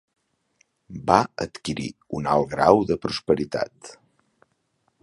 Va adquirir un alt grau de prosperitat.